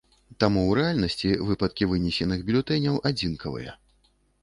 Таму ў рэальнасці выпадкі вынесеных бюлетэняў адзінкавыя.